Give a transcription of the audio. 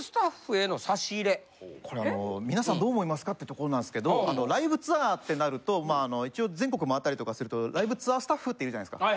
これみなさんどう思いますかってところなんですけどライブツアーってなると一応全国周ったりとかするとライブツアースタッフっているじゃないですか。